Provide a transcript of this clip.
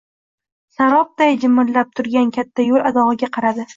Sarobday jimirlab turgan katta yo‘l adog‘iga qaradi.